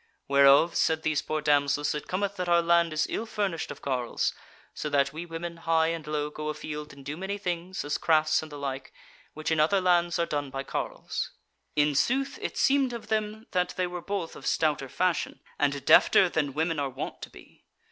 "'Whereof,' said these poor damsels, 'it cometh that our land is ill furnished of carles, so that we women, high and low, go afield and do many things, as crafts and the like, which in other lands are done by carles.' In sooth it seemed of them that they were both of stouter fashion, and defter than women are wont to be.